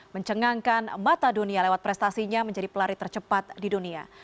mencengangkan mata dunia lewat prestasinya menjadi pelari tercepat di dunia